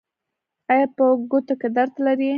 ایا په ګوتو کې درد لرئ؟